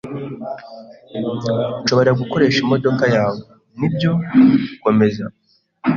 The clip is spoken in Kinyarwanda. "Nshobora gukoresha imodoka yawe?" "Nibyo. Komeza."